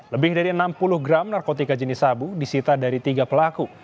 lebih dari enam puluh gram narkotika jenis sabu disita dari tiga pelaku